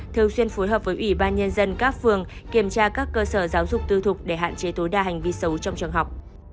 thường xuyên phối hợp với ủy ban nhân dân các phường kiểm tra các cơ sở giáo dục tư thục để hạn chế tối đa hành vi xấu trong trường học